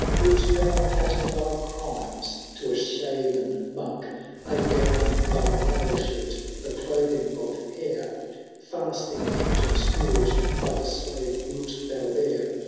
Wilt thou patter thy crimes to a shaven monk,— . Lay down thy mail shirt for clothing of hair, — Fasting and scourge, like a slave, wilt thou bear